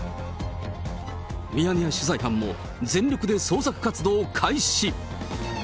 ミヤネ屋取材班も、全力で捜索活動を開始。